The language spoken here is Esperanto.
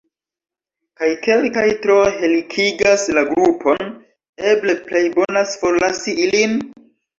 Kaj kelkaj tro helikigas la grupon: eble plejbonas forlasi ilin?